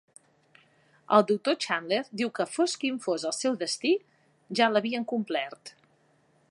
El Dr. Chandler diu que "fos quin fos el seu destí, ja l'havien complert".